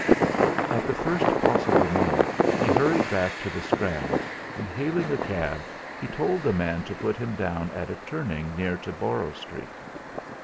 At the first possible moment the hurried back to the Strand, and hailing a cab, he told the man to put him down at a turning near to Borrow Street.